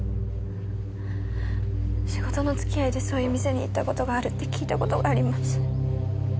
仕事の付き合いでそういう店に行った事があるって聞いた事があります。